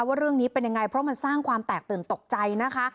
ว่าเรื่องนี้เป็นยังไงเพราะมันสร้างความแตกตื่นตกใจนะคะ